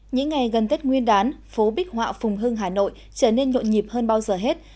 những ngày gần tết nguyên đán phố bích họa phùng hưng hà nội trở nên nhộn nhịp hơn bao giờ hết